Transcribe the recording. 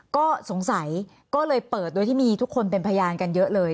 ก็สงสัยก็เลยเปิดโดยที่มีทุกคนเป็นพยานกันเยอะเลย